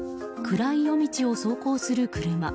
暗い夜道を走行する車。